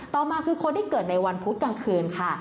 ต่อมาคือคนที่เกิดในวันพุธกลางคืนค่ะ